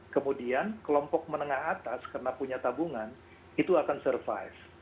kemudian kelompok menengah atas karena punya tabungan itu akan survive